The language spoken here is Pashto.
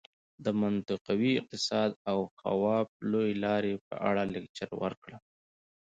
د منطقوي اقتصاد او خواف لویې لارې په اړه لکچر ورکړم.